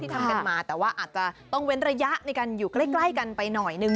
ทำกันมาแต่ว่าอาจจะต้องเว้นระยะในการอยู่ใกล้กันไปหน่อยนึง